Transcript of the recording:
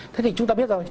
thế thì chúng ta biết rồi